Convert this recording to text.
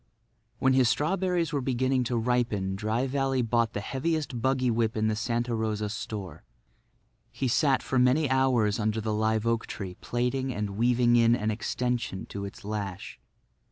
When his strawberries were beginning to ripen Dry Valley bought the heaviest buggy whip in the Santa Rosa store. He sat for many hours under the live oak tree plaiting and weaving in an extension to its lash.